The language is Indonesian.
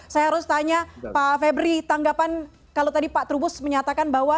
saya harus tanya pak febri tanggapan kalau tadi pak trubus menyatakan bahwa